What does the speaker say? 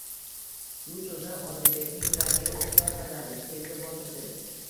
Bu so'zlar Odilbekning yuragiga o'qday qadaldi, terga botirdi.